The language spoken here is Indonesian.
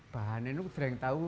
bahannya jaringan tahu